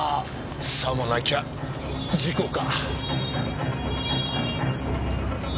さもなきゃ事故か。